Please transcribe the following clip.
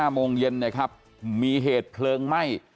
๕โมงเย็นมีเหตุเพลิงไหม้